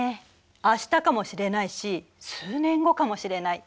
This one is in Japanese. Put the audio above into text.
あしたかもしれないし数年後かもしれない。